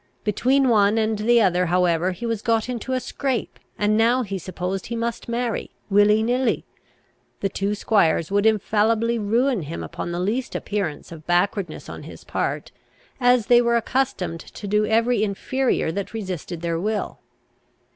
Between one and the other however, he was got into a scrape, and now he supposed he must marry, will he, nill he. The two squires would infallibly ruin him upon the least appearance of backwardness on his part, as they were accustomed to do every inferior that resisted their will.